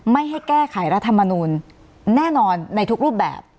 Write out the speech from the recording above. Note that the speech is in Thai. ไม่ให้แก้ไขรัฐมนูลแน่นอนในทุกรูปแบบ